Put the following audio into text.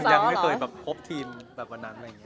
อ๋อยังไม่เคยพบทีมแบบกว่านั้น